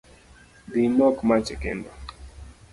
Dhi imok mach e kendo